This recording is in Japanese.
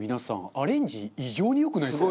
アレンジ異常に良くないですか？